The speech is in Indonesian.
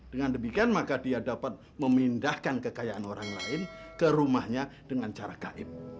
dengan demikian maka dia dapat memindahkan kekayaan orang lain ke rumahnya dengan cara gaib